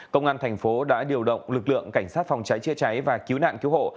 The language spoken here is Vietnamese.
công an thành phố đã điều động lực lượng cảnh sát phòng cháy chữa cháy và cứu nạn cứu hộ